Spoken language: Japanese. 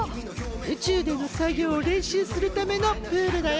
宇宙での作業を練習するためのプールだよ。